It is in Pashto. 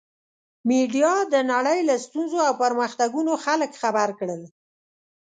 میډیا د نړۍ له ستونزو او پرمختګونو خلک خبر کړل.